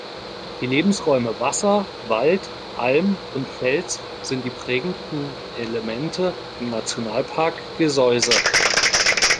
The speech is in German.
Die Lebensräume Wasser, Wald, Alm und Fels sind die prägenden Elemente im Nationalpark Gesäuse.